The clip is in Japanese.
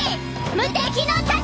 「無敵の盾」！